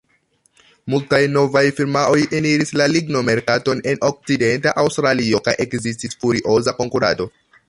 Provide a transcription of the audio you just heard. Multaj novaj firmaoj eniris la ligno-merkaton en Okcidenta Aŭstralio, kaj ekzistis furioza konkurado.